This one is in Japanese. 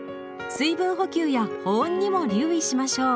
水分補給や保温にも留意しましょう。